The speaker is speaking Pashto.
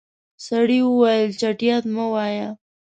سړی وويل چټياټ مه وايه.